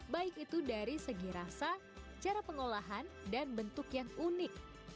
baik itu dari segi rasa cara pengolahan dan bentuk yang unik